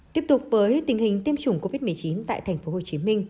tiếp tục với tình hình tiêm chủng covid một mươi chín tại tp hcm